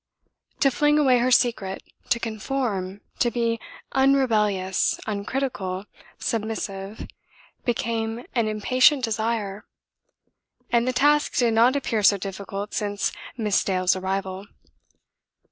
To fling away her secret, to conform, to be unrebellious, uncritical, submissive, became an impatient desire; and the task did not appear so difficult since Miss Dale's arrival.